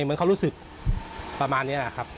เหมือนเขารู้สึกประมาณนี้แหละครับ